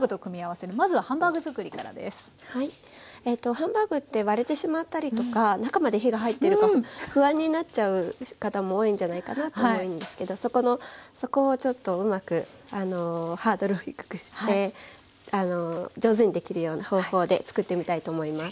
ハンバーグって割れてしまったりとか中まで火が入ってるか不安になっちゃう方も多いんじゃないかなと思うんですけどそこのそこをちょっとうまくハードルを低くして上手にできるような方法で作ってみたいと思います。